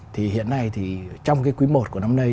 thì hiện nay thì trong cái quý i của năm nay